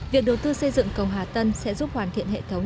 việc đầu tư xây dựng cầu hà tân sẽ giúp hoàn thiện hệ thống